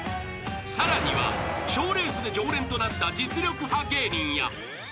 ［さらには賞レースで常連となった実力派芸人や］